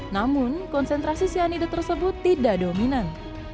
namun konsentrasi cyanida tersebut tidak dominan